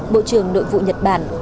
bộ trưởng nội vụ nhật bản